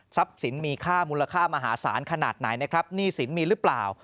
ทรัพย์สินมีค่ามูลค่ามหาศาลขนาดไหนหนี้สินมีหรือเปล่า